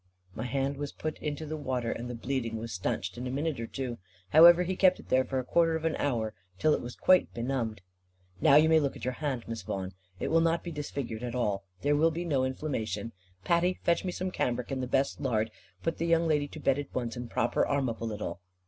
My hand was put into the water, and the bleeding was stanched in a minute or two. However he kept it there for a quarter of an hour, till it was quite benumbed. "Now you may look at your hand, Miss Vaughan; it will not be disfigured at all. There will be no inflammation. Patty, fetch me some cambric and the best lard; put the young lady to bed at once, and prop her arm up a little."